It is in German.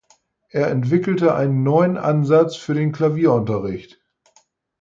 Er entwickelte einen neuen Ansatz für den Klavierunterricht.